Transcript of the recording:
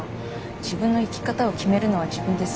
自分の生き方を決めるのは自分です。